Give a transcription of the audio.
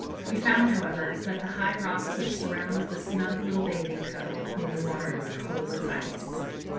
We found, however, that the high rocks which surround the snug little bathing cove made the water as cold as ice.